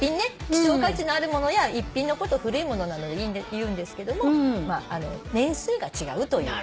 希少価値のある物や逸品のこと古い物なのでいうんですけども年数が違うという。